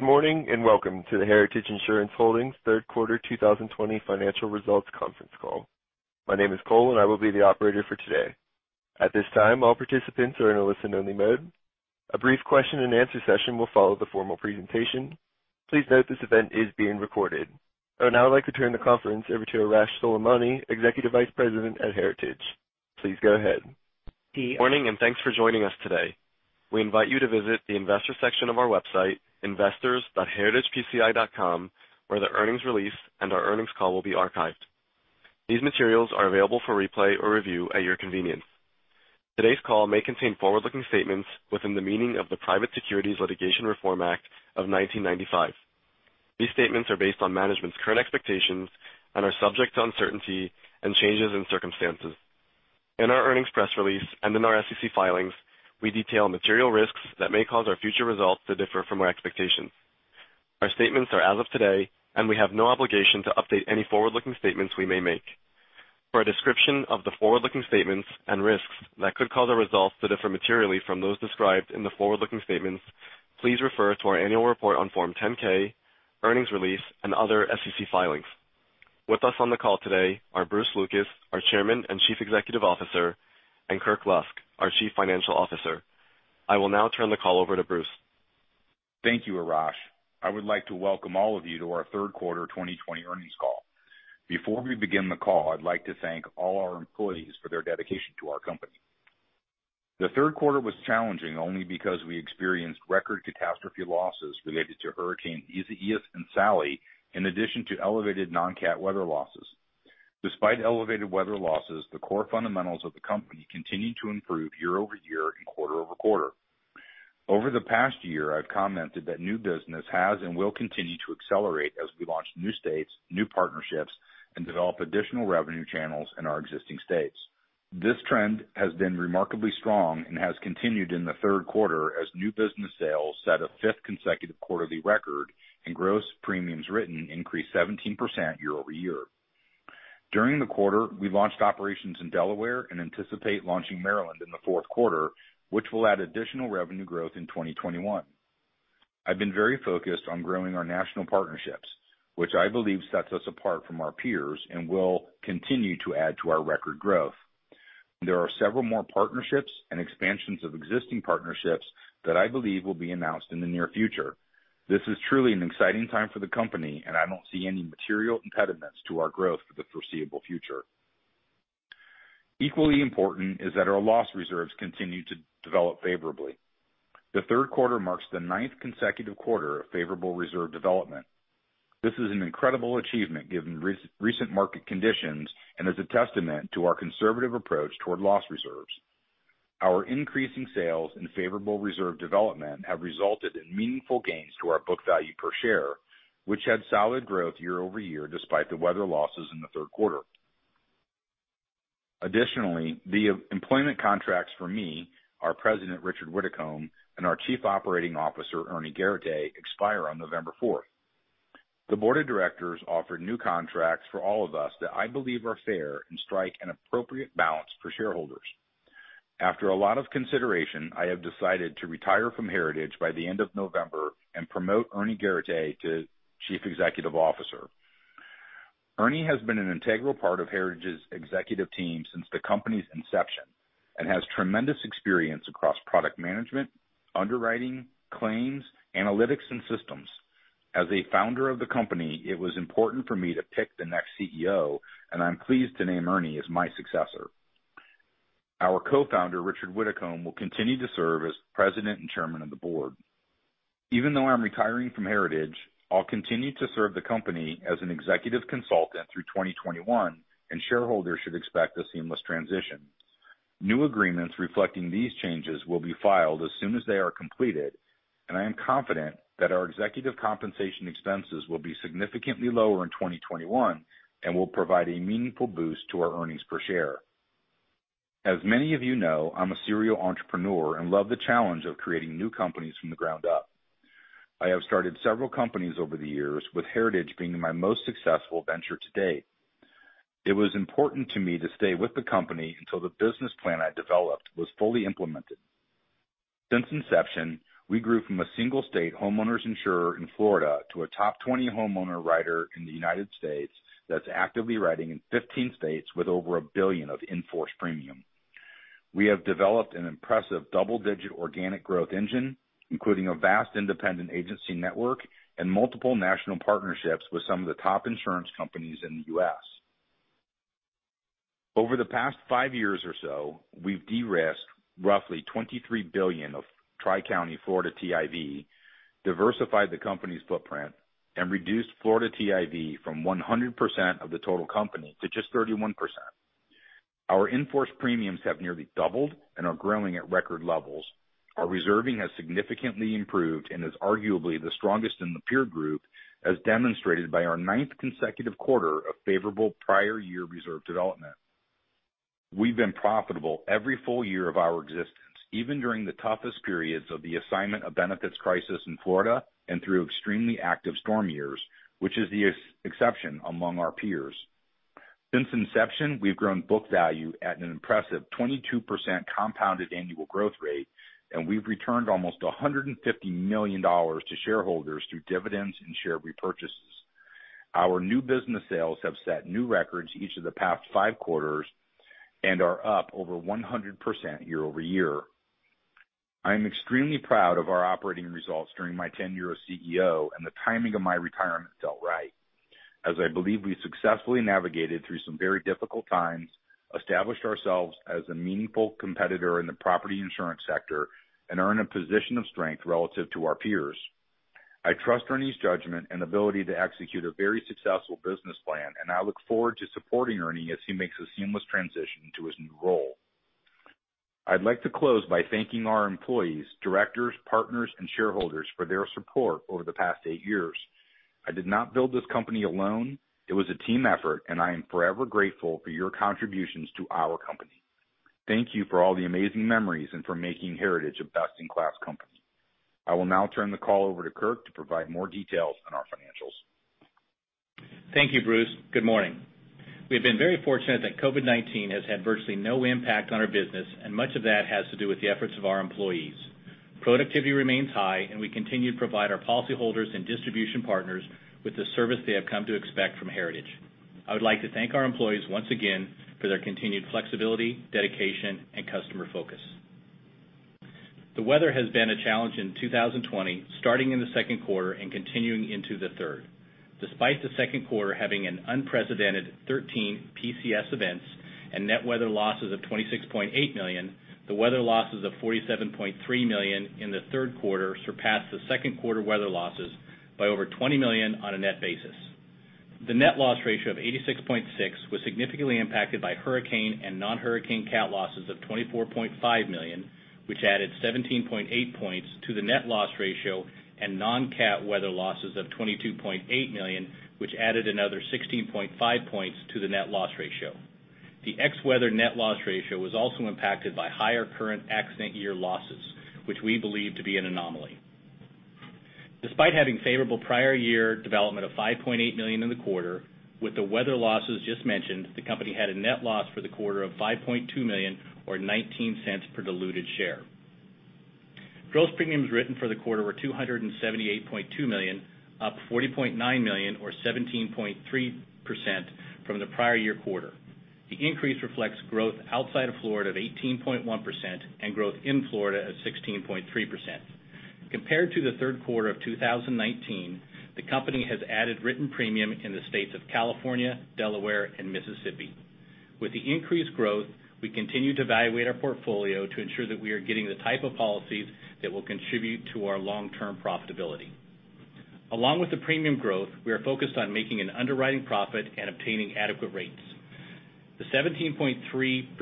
Good morning, welcome to the Heritage Insurance Holdings third quarter 2020 financial results conference call. My name is Cole, and I will be the operator for today. At this time, all participants are in a listen only mode. A brief question and answer session will follow the formal presentation. Please note this event is being recorded. I would now like to turn the conference over to Arash Soleimani, Executive Vice President at Heritage. Please go ahead. Good morning, thanks for joining us today. We invite you to visit the investor section of our website, investors.heritagepci.com, where the earnings release and our earnings call will be archived. These materials are available for replay or review at your convenience. Today's call may contain forward-looking statements within the meaning of the Private Securities Litigation Reform Act of 1995. These statements are based on management's current expectations and are subject to uncertainty and changes in circumstances. In our earnings press release and in our SEC filings, we detail material risks that may cause our future results to differ from our expectations. Our statements are as of today, we have no obligation to update any forward-looking statements we may make. For a description of the forward-looking statements and risks that could cause our results to differ materially from those described in the forward-looking statements, please refer to our annual report on Form 10-K, earnings release, and other SEC filings. With us on the call today are Bruce Lucas, our Chairman and Chief Executive Officer, and Kirk Lusk, our Chief Financial Officer. I will now turn the call over to Bruce. Thank you, Arash. I would like to welcome all of you to our third quarter 2020 earnings call. Before we begin the call, I'd like to thank all our employees for their dedication to our company. The third quarter was challenging only because we experienced record catastrophe losses related to Hurricane and Sally, in addition to elevated non-cat weather losses. Despite elevated weather losses, the core fundamentals of the company continued to improve year-over-year and quarter-over-quarter. Over the past year, I've commented that new business has and will continue to accelerate as we launch new states, new partnerships, and develop additional revenue channels in our existing states. This trend has been remarkably strong and has continued in the third quarter as new business sales set a fifth consecutive quarterly record and gross premiums written increased 17% year-over-year. During the quarter, we launched operations in Delaware and anticipate launching Maryland in the fourth quarter, which will add additional revenue growth in 2021. I've been very focused on growing our national partnerships, which I believe sets us apart from our peers and will continue to add to our record growth. There are several more partnerships and expansions of existing partnerships that I believe will be announced in the near future. This is truly an exciting time for the company, and I don't see any material impediments to our growth for the foreseeable future. Equally important is that our loss reserves continue to develop favorably. The third quarter marks the ninth consecutive quarter of favorable reserve development. This is an incredible achievement given recent market conditions and is a testament to our conservative approach toward loss reserves. Our increasing sales and favorable reserve development have resulted in meaningful gains to our book value per share, which had solid growth year-over-year despite the weather losses in the third quarter. Additionally, the employment contracts for me, our President, Richard Widdicombe, and our Chief Operating Officer, Ernie Garateix, expire on November fourth. The board of directors offered new contracts for all of us that I believe are fair and strike an appropriate balance for shareholders. After a lot of consideration, I have decided to retire from Heritage by the end of November and promote Ernie Garateix to Chief Executive Officer. Ernie has been an integral part of Heritage's executive team since the company's inception and has tremendous experience across product management, underwriting, claims, analytics, and systems. As a founder of the company, it was important for me to pick the next CEO. I'm pleased to name Ernie as my successor. Our co-founder, Richard Widdicombe, will continue to serve as President and Chairman of the board. Even though I'm retiring from Heritage, I'll continue to serve the company as an executive consultant through 2021, and shareholders should expect a seamless transition. New agreements reflecting these changes will be filed as soon as they are completed. I am confident that our executive compensation expenses will be significantly lower in 2021 and will provide a meaningful boost to our earnings per share. As many of you know, I'm a serial entrepreneur and love the challenge of creating new companies from the ground up. I have started several companies over the years, with Heritage being my most successful venture to date. It was important to me to stay with the company until the business plan I developed was fully implemented. Since inception, we grew from a single-state homeowners insurer in Florida to a top 20 homeowner writer in the United States that's actively writing in 15 states with over $1 billion of in-force premium. We have developed an impressive double-digit organic growth engine, including a vast independent agency network and multiple national partnerships with some of the top insurance companies in the U.S. Over the past five years or so, we've de-risked roughly $23 billion of Tri-County Florida TIV, diversified the company's footprint, and reduced Florida TIV from 100% of the total company to just 31%. Our in-force premiums have nearly doubled and are growing at record levels. Our reserving has significantly improved and is arguably the strongest in the peer group, as demonstrated by our ninth consecutive quarter of favorable prior year reserve development. We've been profitable every full year of our existence, even during the toughest periods of the assignment of benefits crisis in Florida and through extremely active storm years, which is the exception among our peers. Since inception, we've grown book value at an impressive 22% compounded annual growth rate, and we've returned almost $150 million to shareholders through dividends and share repurchases. Our new business sales have set new records each of the past five quarters and are up over 100% year-over-year. I am extremely proud of our operating results during my tenure as CEO. The timing of my retirement felt right, as I believe we successfully navigated through some very difficult times, established ourselves as a meaningful competitor in the property insurance sector, and are in a position of strength relative to our peers. I trust Ernie's judgment and ability to execute a very successful business plan. I look forward to supporting Ernie as he makes a seamless transition to his new role. I'd like to close by thanking our employees, directors, partners, and shareholders for their support over the past eight years. I did not build this company alone. It was a team effort, and I am forever grateful for your contributions to our company. Thank you for all the amazing memories and for making Heritage a best-in-class company. I will now turn the call over to Kirk to provide more details on our financials. Thank you, Bruce. Good morning. We've been very fortunate that COVID-19 has had virtually no impact on our business. Much of that has to do with the efforts of our employees. Productivity remains high, and we continue to provide our policyholders and distribution partners with the service they have come to expect from Heritage. I would like to thank our employees once again for their continued flexibility, dedication, and customer focus. The weather has been a challenge in 2020, starting in the second quarter and continuing into the third. Despite the second quarter having an unprecedented 13 PCS events and net weather losses of $26.8 million, the weather losses of $47.3 million in the third quarter surpassed the second quarter weather losses by over $20 million on a net basis. The net loss ratio of 86.6% was significantly impacted by hurricane and non-hurricane cat losses of $24.5 million, which added 17.8 points to the net loss ratio, and non-cat weather losses of $22.8 million, which added another 16.5 points to the net loss ratio. The ex weather net loss ratio was also impacted by higher current accident year losses, which we believe to be an anomaly. Despite having favorable prior year development of $5.8 million in the quarter, with the weather losses just mentioned, the company had a net loss for the quarter of $5.2 million, or $0.19 per diluted share. Gross premiums written for the quarter were $278.2 million, up $40.9 million, or 17.3% from the prior year quarter. The increase reflects growth outside of Florida of 18.1% and growth in Florida of 16.3%. Compared to the third quarter of 2019, the company has added written premium in the states of California, Delaware, and Mississippi. With the increased growth, we continue to evaluate our portfolio to ensure that we are getting the type of policies that will contribute to our long-term profitability. Along with the premium growth, we are focused on making an underwriting profit and obtaining adequate rates. The 17.3%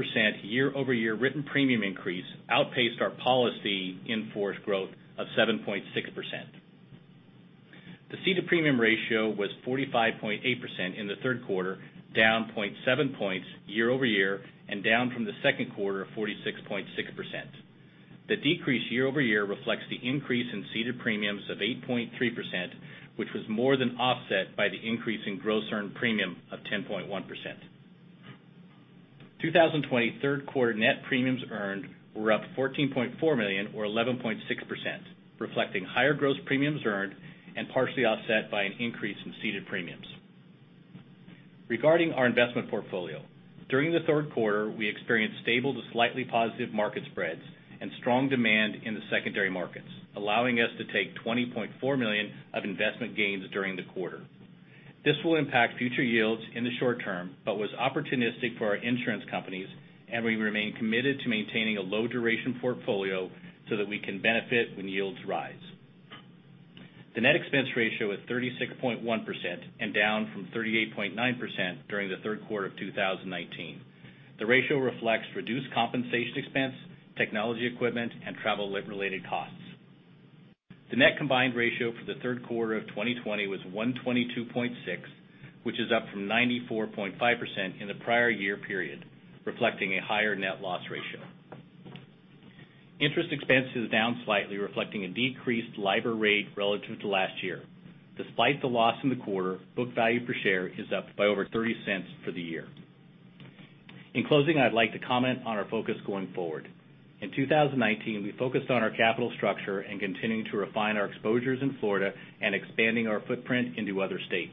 year-over-year written premium increase outpaced our policy in force growth of 7.6%. The ceded premium ratio was 45.8% in the third quarter, down 0.7 points year-over-year and down from the second quarter of 46.6%. The decrease year-over-year reflects the increase in ceded premiums of 8.3%, which was more than offset by the increase in gross earned premium of 10.1%. 2020 third quarter net premiums earned were up $14.4 million, or 11.6%, reflecting higher gross premiums earned and partially offset by an increase in ceded premiums. Regarding our investment portfolio, during the third quarter, we experienced stable to slightly positive market spreads and strong demand in the secondary markets, allowing us to take $20.4 million of investment gains during the quarter. This will impact future yields in the short term, but was opportunistic for our insurance companies, and we remain committed to maintaining a low-duration portfolio so that we can benefit when yields rise. The net expense ratio is 36.1% and down from 38.9% during the third quarter of 2019. The ratio reflects reduced compensation expense, technology equipment, and travel-related costs. The net combined ratio for the third quarter of 2020 was 122.6%, which is up from 94.5% in the prior year period, reflecting a higher net loss ratio. Interest expense is down slightly, reflecting a decreased LIBOR rate relative to last year. Despite the loss in the quarter, book value per share is up by over $0.30 for the year. In closing, I'd like to comment on our focus going forward. In 2019, we focused on our capital structure and continuing to refine our exposures in Florida and expanding our footprint into other states.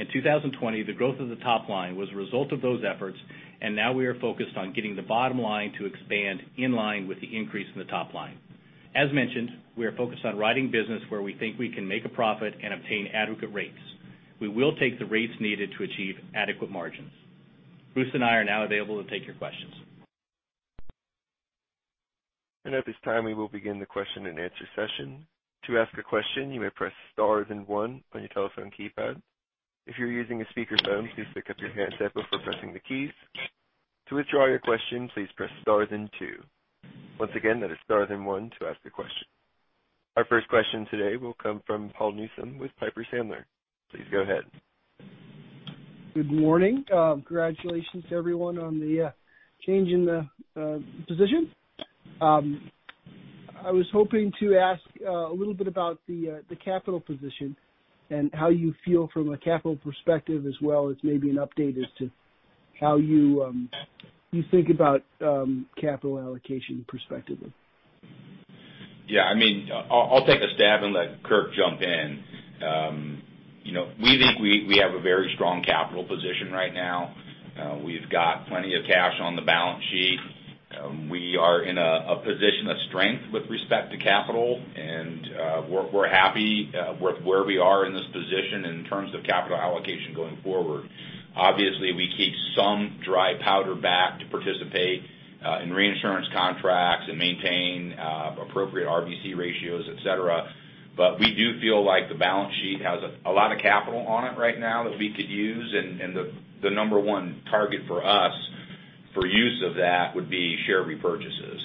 In 2020, the growth of the top line was a result of those efforts, and now we are focused on getting the bottom line to expand in line with the increase in the top line. As mentioned, we are focused on writing business where we think we can make a profit and obtain adequate rates. We will take the rates needed to achieve adequate margins. Bruce and I are now available to take your questions. At this time, we will begin the question-and-answer session. To ask a question, you may press star then one on your telephone keypad. If you're using a speakerphone, please pick up your handset before pressing the keys. To withdraw your question, please press star then two. Once again, that is star then one to ask a question. Our first question today will come from Paul Newsome with Piper Sandler. Please go ahead. Good morning. Congratulations to everyone on the change in the position. I was hoping to ask a little bit about the capital position and how you feel from a capital perspective, as well as maybe an update as to how you think about capital allocation perspectively. Yeah. I'll take a stab and let Kirk jump in. We think we have a very strong capital position right now. We've got plenty of cash on the balance sheet. We are in a position of strength with respect to capital, and we're happy with where we are in this position in terms of capital allocation going forward. Obviously, we keep some dry powder back to participate in reinsurance contracts and maintain appropriate RBC ratios, et cetera. We do feel like the balance sheet has a lot of capital on it right now that we could use. The number one target for us for use of that would be share repurchases.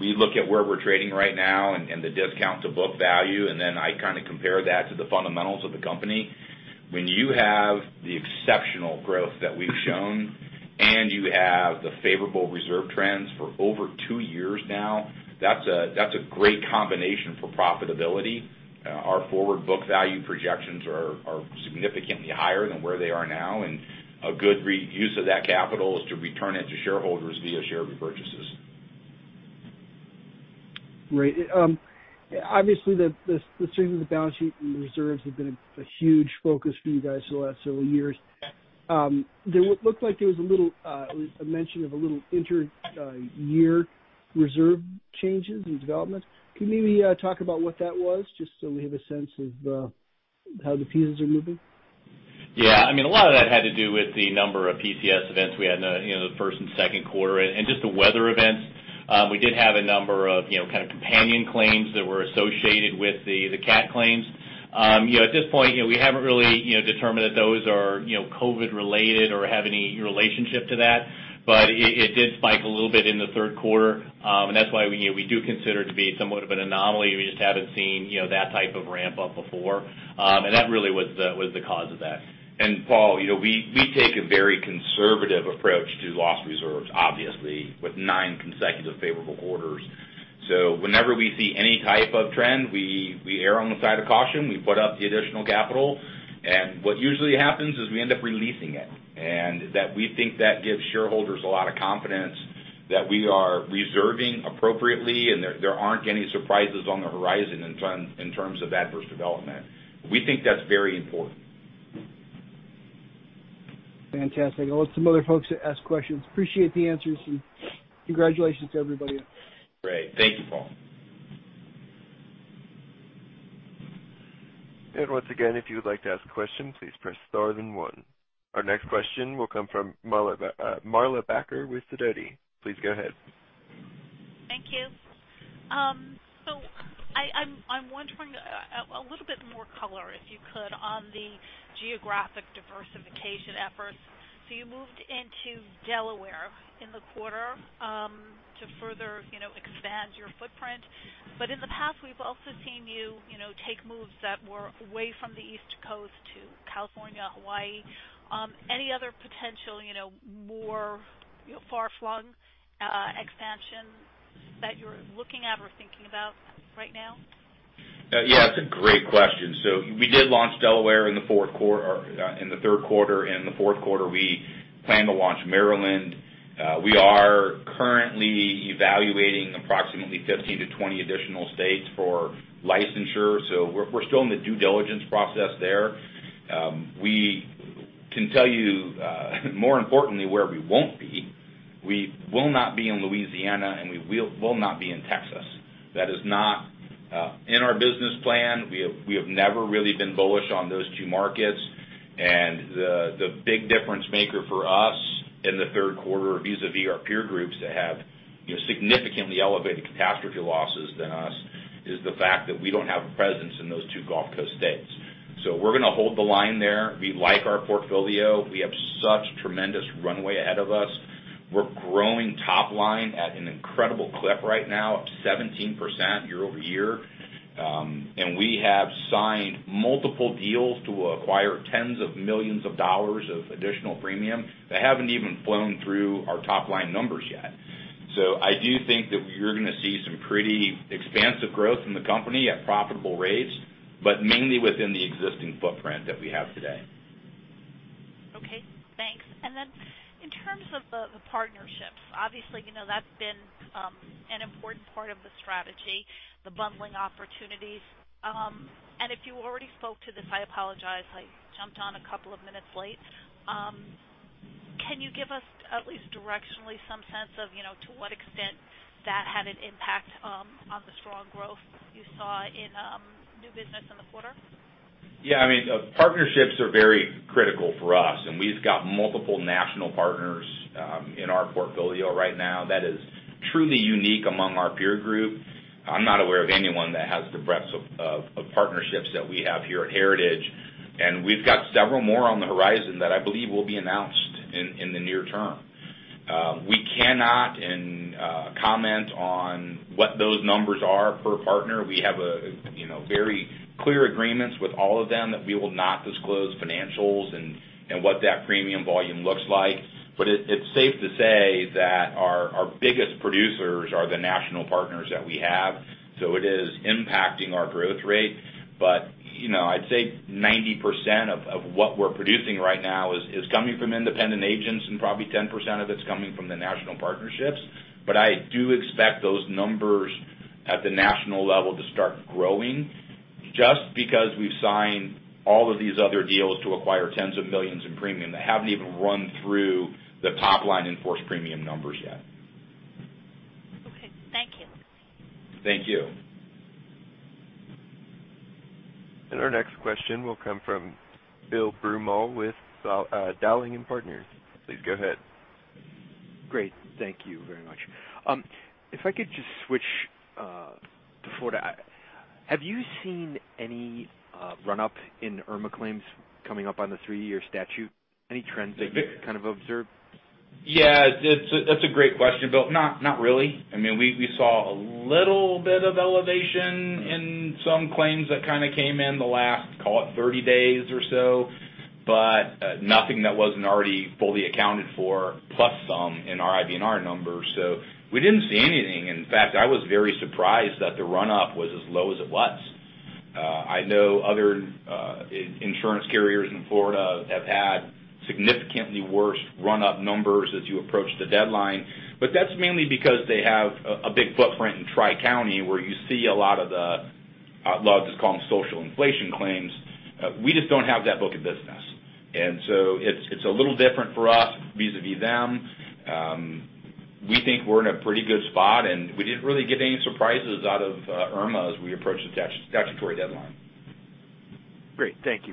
We look at where we're trading right now and the discount to book value, then I compare that to the fundamentals of the company. When you have the exceptional growth that we've shown, you have the favorable reserve trends for over two years now, that's a great combination for profitability. Our forward book value projections are significantly higher than where they are now, a good reuse of that capital is to return it to shareholders via share repurchases. Great. Obviously, the strength of the balance sheet and reserves have been a huge focus for you guys for the last several years. It looked like there was a mention of a little intra-year reserve changes and developments. Can you maybe talk about what that was, just so we have a sense of how the pieces are moving? Yeah. A lot of that had to do with the number of PCS events we had in the first and second quarter, just the weather events. We did have a number of companion claims that were associated with the cat claims. At this point, we haven't really determined that those are COVID related or have any relationship to that. It did spike a little bit in the third quarter, and that's why we do consider it to be somewhat of an anomaly. We just haven't seen that type of ramp-up before. That really was the cause of that. Paul, we take a very conservative approach to loss reserves, obviously, with nine consecutive favorable quarters. Whenever we see any type of trend, we err on the side of caution. We put up the additional capital, and what usually happens is we end up releasing it. We think that gives shareholders a lot of confidence that we are reserving appropriately, and there aren't any surprises on the horizon in terms of adverse development. We think that's very important. Fantastic. I'll let some other folks ask questions. Appreciate the answers, and congratulations to everybody. Great. Thank you, Paul. Once again, if you would like to ask a question, please press star then one. Our next question will come from Marla Backer with Sidoti. Please go ahead. Thank you. I'm wondering, a little bit more color, if you could, on the geographic diversification efforts. You moved into Delaware in the quarter to further expand your footprint. In the past, we've also seen you take moves that were away from the East Coast to California, Hawaii. Any other potential more far-flung expansions that you're looking at or thinking about right now? Yeah, that's a great question. We did launch Delaware in the third quarter. In the fourth quarter, we plan to launch Maryland. We are currently evaluating approximately 15-20 additional states for licensure. We're still in the due diligence process there. We can tell you more importantly, where we won't be. We will not be in Louisiana, and we will not be in Texas. That is not in our business plan. We have never really been bullish on those two markets. The big difference maker for us in the third quarter vis-à-vis our peer groups that have significantly elevated catastrophe losses than us, is the fact that we don't have a presence in those two Gulf Coast states. We're going to hold the line there. We like our portfolio. We have such tremendous runway ahead of us. We're growing top-line at an incredible clip right now of 17% year-over-year. We have signed multiple deals to acquire tens of millions of dollars of additional premium that haven't even flown through our top-line numbers yet. I do think that you're going to see some pretty expansive growth in the company at profitable rates, but mainly within the existing footprint that we have today. Okay, thanks. In terms of the partnerships, obviously, that's been an important part of the strategy, the bundling opportunities. If you already spoke to this, I apologize, I jumped on a couple of minutes late. Can you give us at least directionally some sense of to what extent that had an impact on the strong growth you saw in new business in the quarter? Yeah. Partnerships are very critical for us, we've got multiple national partners in our portfolio right now. That is truly unique among our peer group. I'm not aware of anyone that has the breadth of partnerships that we have here at Heritage, we've got several more on the horizon that I believe will be announced in the near term. We cannot comment on what those numbers are per partner. We have very clear agreements with all of them that we will not disclose financials and what that premium volume looks like. It's safe to say that our biggest producers are the national partners that we have, so it is impacting our growth rate. I'd say 90% of what we're producing right now is coming from independent agents, and probably 10% of it's coming from the national partnerships. I do expect those numbers at the national level to start growing just because we've signed all of these other deals to acquire tens of millions in premium that haven't even run through the top-line enforced premium numbers yet. Okay. Thank you. Thank you. Our next question will come from Bill Brummell with Dowling & Partners. Please go ahead. Great. Thank you very much. If I could just switch to Florida. Have you seen any run-up in Irma claims coming up on the 3-year statute? Any trends that you've kind of observed? That's a great question, Bill. Not really. We saw a little bit of elevation in some claims that kind of came in the last, call it, 30 days or so. Nothing that wasn't already fully accounted for, plus some in our IBNR numbers. We didn't see anything. In fact, I was very surprised that the run-up was as low as it was. I know other insurance carriers in Florida have had significantly worse run-up numbers as you approach the deadline, but that's mainly because they have a big footprint in Tri-County, where you see a lot of the, I love to just call them social inflation claims. We just don't have that book of business. It's a little different for us vis-a-vis them. We think we're in a pretty good spot, and we didn't really get any surprises out of Hurricane Irma as we approach the statutory deadline. Great. Thank you.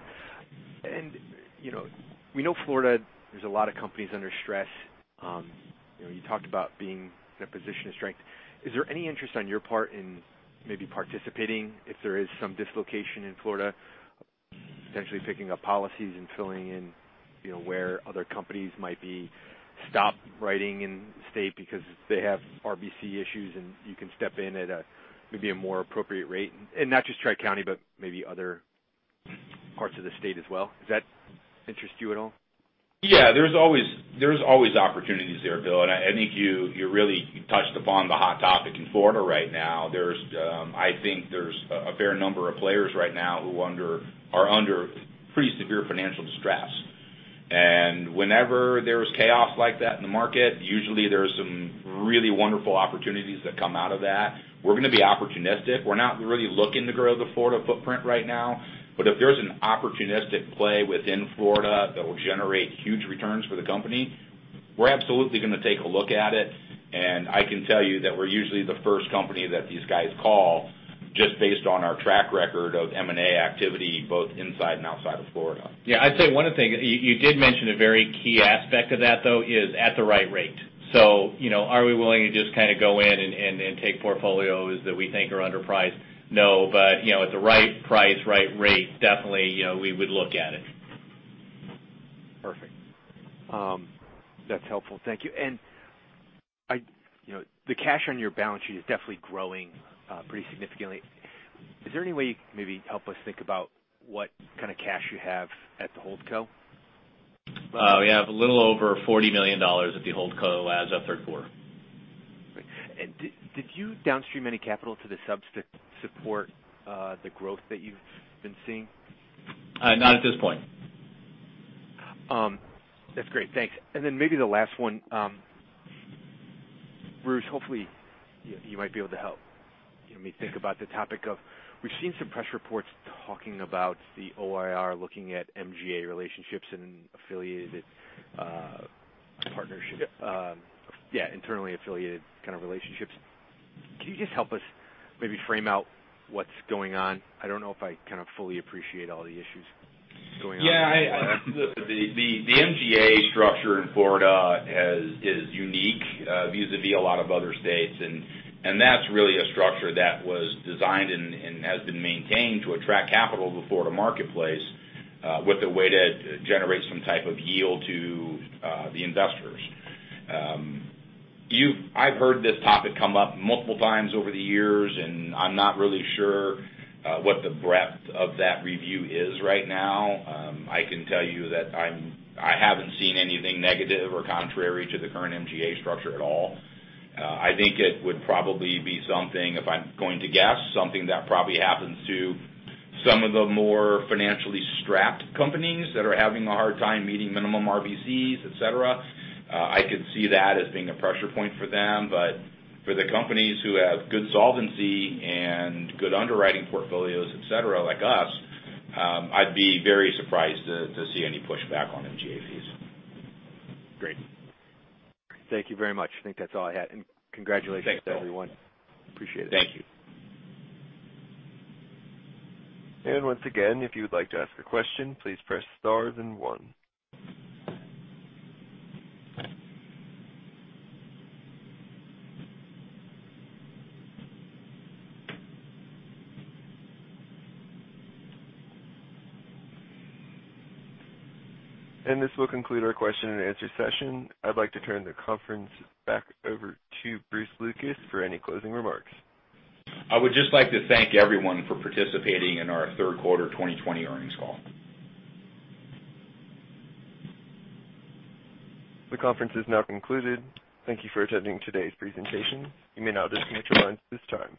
We know Florida, there's a lot of companies under stress. You talked about being in a position of strength. Is there any interest on your part in maybe participating if there is some dislocation in Florida, potentially picking up policies and filling in where other companies might be stopped writing in the state because they have RBC issues, and you can step in at a maybe a more appropriate rate? Not just Tri-County, but maybe other parts of the state as well. Does that interest you at all? There's always opportunities there, Bill, and I think you really touched upon the hot topic in Florida right now. I think there's a fair number of players right now who are under pretty severe financial distress. Whenever there's chaos like that in the market, usually there's some really wonderful opportunities that come out of that. We're going to be opportunistic. We're not really looking to grow the Florida footprint right now, but if there's an opportunistic play within Florida that will generate huge returns for the company, we're absolutely going to take a look at it. I can tell you that we're usually the first company that these guys call just based on our track record of M&A activity both inside and outside of Florida. Yeah, I'd say one other thing, you did mention a very key aspect of that, though, is at the right rate. Are we willing to just kind of go in and take portfolios that we think are underpriced? No. At the right price, right rate, definitely, we would look at it. Perfect. That's helpful. Thank you. The cash on your balance sheet is definitely growing pretty significantly. Is there any way you can maybe help us think about what kind of cash you have at the holdco? We have a little over $40 million at the holdco as of third quarter. Great. Did you downstream any capital to the subs to support the growth that you've been seeing? Not at this point. That's great. Thanks. Then maybe the last one. Bruce, hopefully you might be able to help me think about the topic of, we've seen some press reports talking about the OIR looking at MGA relationships and affiliated. Yep. Internally affiliated kind of relationships. Can you just help us maybe frame out what's going on? I don't know if I kind of fully appreciate all the issues going on. The MGA structure in Florida is unique vis-a-vis a lot of other states, that's really a structure that was designed and has been maintained to attract capital to the Florida marketplace with a way to generate some type of yield to the investors. I've heard this topic come up multiple times over the years, I'm not really sure what the breadth of that review is right now. I can tell you that I haven't seen anything negative or contrary to the current MGA structure at all. I think it would probably be something, if I'm going to guess, something that probably happens to some of the more financially strapped companies that are having a hard time meeting minimum RBCs, et cetera. I could see that as being a pressure point for them. For the companies who have good solvency and good underwriting portfolios, et cetera, like us, I'd be very surprised to see any pushback on MGA fees. Great. Thank you very much. I think that's all I had. Congratulations to everyone. Thanks, Bill. Appreciate it. Thank you. Once again, if you would like to ask a question, please press star then one. This will conclude our question and answer session. I'd like to turn the conference back over to Bruce Lucas for any closing remarks. I would just like to thank everyone for participating in our third quarter 2020 earnings call. The conference is now concluded. Thank you for attending today's presentation. You may now disconnect your lines at this time.